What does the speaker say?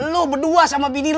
lo berdua sama bini lo